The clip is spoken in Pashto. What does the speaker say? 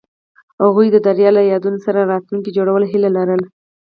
هغوی د دریا له یادونو سره راتلونکی جوړولو هیله لرله.